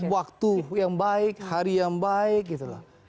waktu yang baik hari yang baik gitu loh